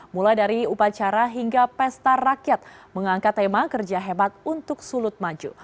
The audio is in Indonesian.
mulai dari upacara hingga pesta rakyat mengangkat tema kerja hebat untuk sulut maju